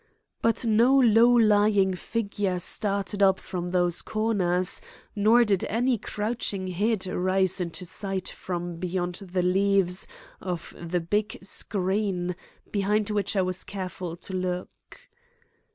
But no low lying figure started up from those corners, nor did any crouching head rise into sight from beyond the leaves of the big screen behind which I was careful to look.